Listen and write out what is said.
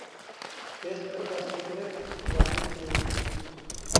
بىز بىر باشتىن كىرىپ ئۇلارنىڭ كىملىكى.